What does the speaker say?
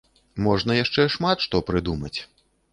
Можна яшчэ шмат што прыдумаць.